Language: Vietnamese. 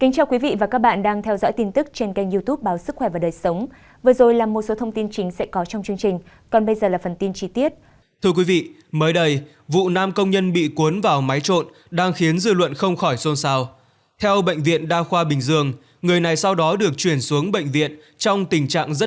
các bạn hãy đăng ký kênh để ủng hộ kênh của chúng mình nhé